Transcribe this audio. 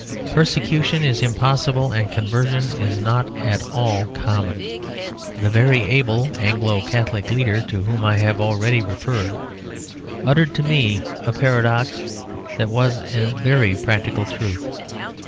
Persecution is impossible and conversion is not at all common. The very able Anglo Catholic leader, to whom I have already referred, uttered to me a paradox that was a very practical truth.